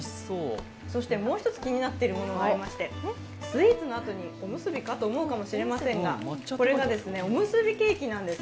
そしてもう一つ気になっているものがありまして、スイーツのあとにおむすびか？と思うかもしれませんが、これが、おむすびケーキなんです。